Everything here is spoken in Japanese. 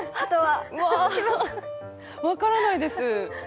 分からないです。